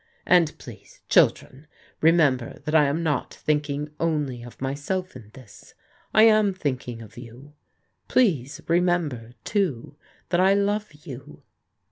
And please, children, remember that I am not thinking only of myself in this, I am thinking of you. Please remember, too, that I love you."